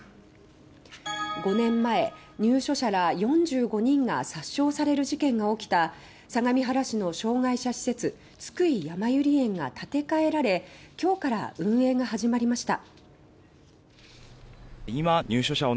５年前、入所者ら４５人が殺傷される事件が起きた相模原市の障害者施設「津久井やまゆり園」が建て替えられきょうから運営が始まりました。